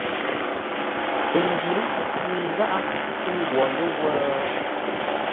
Pəngyě ŋəi gháʼá, ə́ ngwo ləwə̂?